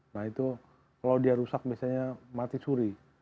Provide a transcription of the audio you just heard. nah itu kalau dia rusak biasanya mati suri